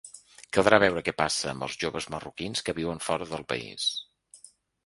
Caldrà veure què passa amb els joves marroquins que viuen fora del país.